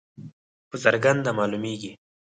په څرګنده معلومیږي.